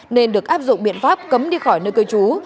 nên được áp dụng biện pháp cấm đi khỏi nơi cư trú